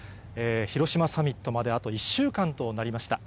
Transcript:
広島サミットまで、あと１週間となりました。